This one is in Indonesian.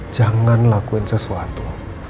jangan lakuin sesuatu